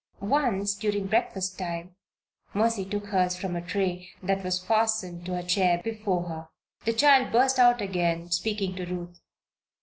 Once during breakfast time (Mercy took hers from a tray that was fastened to her chair before her) the child burst out again, speaking to Ruth.